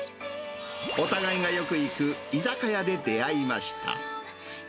お互いがよく行く居酒屋で出会いました。